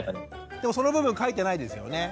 でもその部分書いてないですよね？